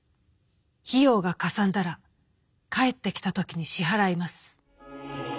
費用がかさんだら帰ってきた時に支払います』」。